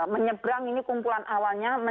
menyebrang ini kumpulan awalnya